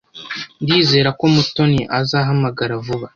Ndizera ko Mutoni azahamagara vuba.